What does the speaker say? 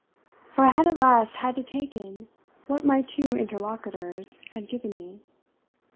For I had at last had to take in what my two interlocutors had given me.